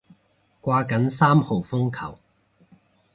掛緊三號風球